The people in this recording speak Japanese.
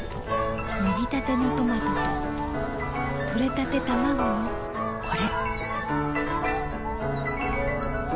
もぎたてのトマトととれたてたまごのこれん！